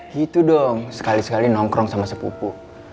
gitu dong sekali sekali nongkrong sama sepupu